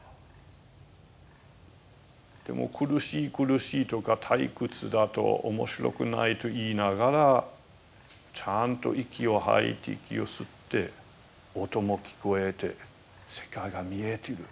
でも苦しい苦しいとか退屈だと面白くないと言いながらちゃんと息を吐いて息を吸って音も聞こえて世界が見えている。